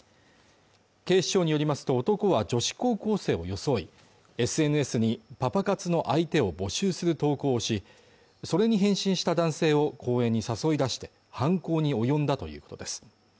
警視庁によりますと男は女子高校生を装いＳＮＳにパパ活の相手を募集する投稿をしそれに返信をした男性を公園に誘い出して犯行に及んだということです